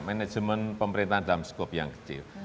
manajemen pemerintahan dalam skop yang kecil